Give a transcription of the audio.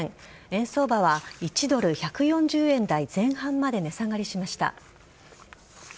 円相場は１ドル＝１４０円台前半まで値下がりしました。